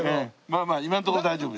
まあまあ今のところ大丈夫。